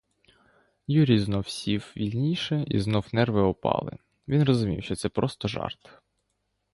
Юрій знов сів вільніше, і знов нерви опали, він розумів, що це просто жарт.